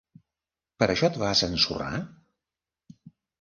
Per això et vas ensorrar?